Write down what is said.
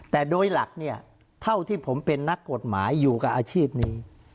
แต่โดยหลักเนี่ยเท่าที่ผมเป็นนักกฎหมายอยู่กับอาชีพนี้